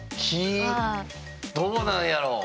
どうなんやろう？